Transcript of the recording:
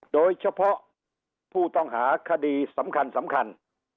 โดยเฉพาะผู้ต้องหาคดีสำคัญ